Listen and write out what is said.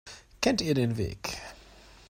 Kennt ihr den Weg?